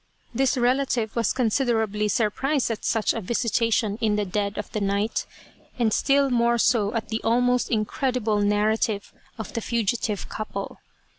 This relative was considerably surprised at such a visitation in the dead of night, and still more so at the almost incredible narrative of the fugitive couple.